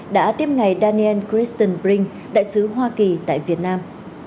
đã tiếp ngày daniel christian brink đại sứ hoa kỳ tại việt nam